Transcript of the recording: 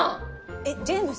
えっジェームス？